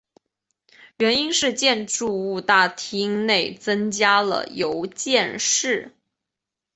原因是建筑物大厅内增加了邮件室。